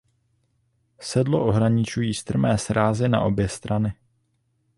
Sedlo ohraničují strmé srázy na obě strany.